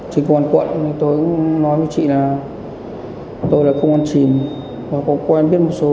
trên công an quận tôi cũng nói với chị là tôi là công an chìm và có quen biết một số